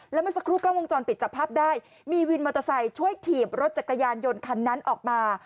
แล้วเมื่อสักครู่กล้องวงจรปิดจับภาพได้มีวินมอเตอร์ไซค์ช่วยถีบรถจักรยานยนต์คันนั้นออกมา